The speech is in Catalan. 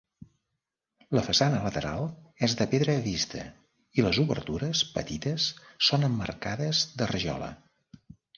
La façana lateral és de pedra vista i les obertures, petites, són emmarcades de rajola.